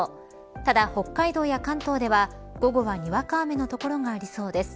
ただ北海道や関東では午後はにわか雨の所がありそうです。